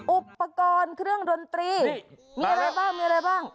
อุปกรณ์เครื่องดนตรีมีอะไรบ้าง